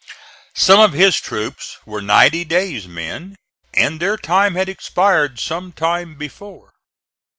Some of his troops were ninety days' men and their time had expired some time before.